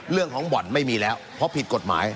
เรื่องของบ่อนไม่มีแล้วเพราะผิดกฎหมาย